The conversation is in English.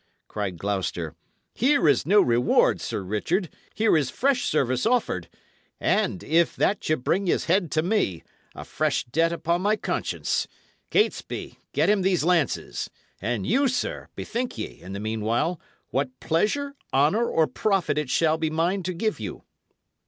cried Gloucester. "Here is no reward, Sir Richard; here is fresh service offered, and, if that ye bring his head to me, a fresh debt upon my conscience. Catesby, get him these lances; and you, sir, bethink ye, in the meanwhile, what pleasure, honour, or profit it shall be mine to give you."